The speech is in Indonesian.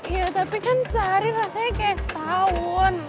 iya tapi kan sehari rasanya kayak setahun